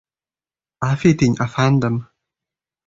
— Avf eting, afandim.